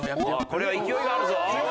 これは勢いがあるぞ。